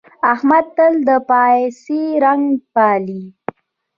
احمد تل د پايڅې رنګ پالي.